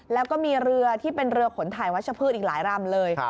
แล้วก็มีเรือที่เป็นเรือขนถ่ายวัชพืชอีกหลายลำเลย